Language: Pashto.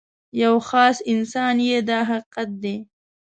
یو خاص انسان یې دا حقیقت دی.